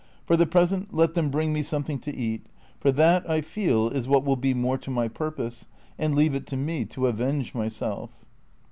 For the present let them bring me something to eat, for that, I feel, is what will be more to my purpose, and leave it to me to avenge myself."